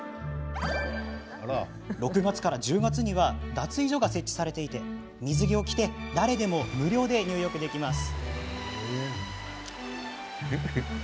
６月から１０月には脱衣所が設置されていて水着を着て誰でも無料で入浴できます。